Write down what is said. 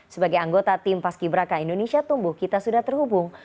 sebagai anggota tim paskibraka indonesia tumbuh kita sudah terhubung